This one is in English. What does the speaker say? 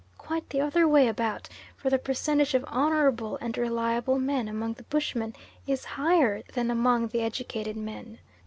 Quite the other way about, for the percentage of honourable and reliable men among the bushmen is higher than among the educated men.